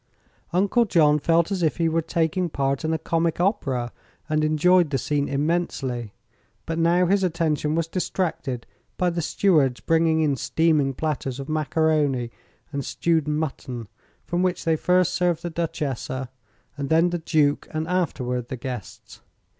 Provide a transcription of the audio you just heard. Uncle John felt as if he were taking part in a comic opera, and enjoyed the scene immensely. But now his attention was distracted by the stewards bringing in steaming platters of macaroni and stewed mutton, from which they first served the Duchessa, and then the Duke, and afterward the guests.